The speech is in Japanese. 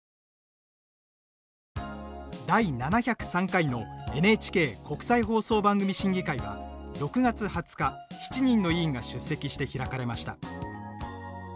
第７０３回のＮＨＫ国際放送番組審議会は６月２０日７人の委員が出席して開かれました。